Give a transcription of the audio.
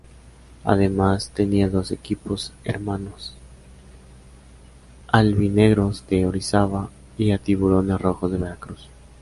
Además tenía dos equipos hermanos: Albinegros de Orizaba y a Tiburones Rojos de Veracruz.